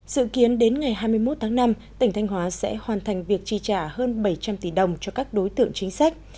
dự kiến đến ngày hai mươi một tháng năm tỉnh thanh hóa sẽ hoàn thành việc chi trả hơn bảy trăm linh tỷ đồng cho các đối tượng chính sách